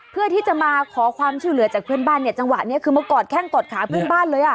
เพื่อที่จะมาขอความช่วยเหลือจากเพื่อนบ้านเนี่ยจังหวะนี้คือมากอดแข้งกอดขาเพื่อนบ้านเลยอ่ะ